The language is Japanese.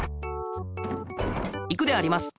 いくであります！